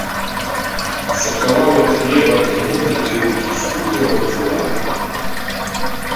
За кавалак хлеба і ногі і рукі скутыя ланцугамі.